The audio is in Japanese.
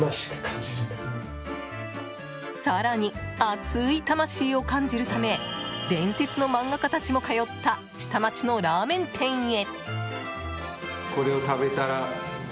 更に、熱い魂を感じるため伝説の漫画家たちも通った下町のラーメン店へ。